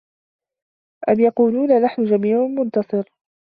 أَم يَقولونَ نَحنُ جَميعٌ مُنتَصِرٌ